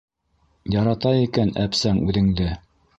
Ярата икән әпсәң үҙеңде!